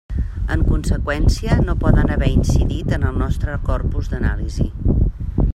En conseqüència, no poden haver incidit en el nostre corpus d'anàlisi.